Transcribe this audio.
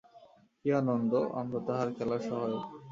কি আনন্দ! আমরা তাঁহার খেলার সহায়ক।